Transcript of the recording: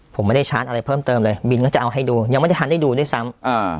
ผมไม่ได้ชาร์จอะไรเพิ่มเติมเลยบินก็จะเอาให้ดูยังไม่ได้ทันได้ดูด้วยซ้ำ